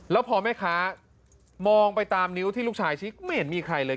แล้วพอแม่ค้ามองไปตามนิ้วที่ลูกชายชี้ไม่เห็นมีใครเลย